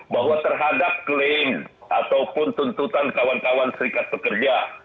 bahwa terhadap klaim ataupun tuntutan kawan kawan serikat pekerja